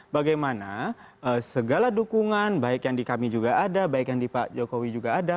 bagaimana segala dukungan baik yang di kami juga ada baik yang di pak jokowi juga ada